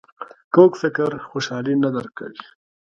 کوږ فکر خوشحالي نه درک کوي